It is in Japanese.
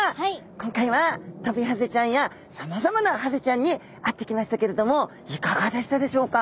今回はトビハゼちゃんやさまざまなハゼちゃんに会ってきましたけれどもいかがでしたでしょうか？